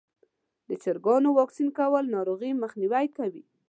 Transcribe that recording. د چرګانو واکسین کول ناروغۍ مخنیوی کوي.